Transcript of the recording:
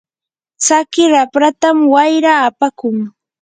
tsaki rapratam wayra apakun.